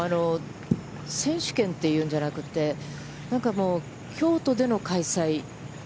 選手権というんじゃなくて、京都での開催。